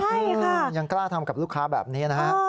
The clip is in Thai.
นี่ค่ะยังกล้าทำกับลูกค้าแบบนี้นะฮะ